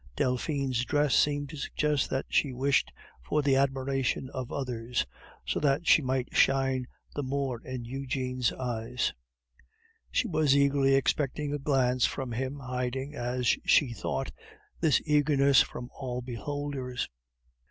Delphine's dress seemed to suggest that she wished for the admiration of others, so that she might shine the more in Eugene's eyes; she was eagerly expecting a glance from him, hiding, as she thought, this eagerness from all beholders.